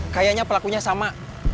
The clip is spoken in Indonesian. kayaknya pelakunya sama